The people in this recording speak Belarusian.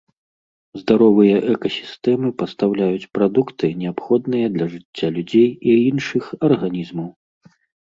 Здаровыя экасістэмы пастаўляюць прадукты, неабходныя для жыцця людзей і іншых арганізмаў.